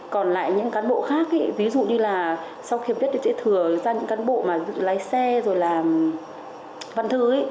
còn lại những cán bộ khác ví dụ như sau khi gặp nhất sẽ thừa ra những cán bộ lái xe văn thư